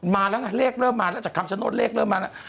มาแล้วไงเลขเริ่มมาแล้วจากคำชโนธเลขเริ่มมาแล้ว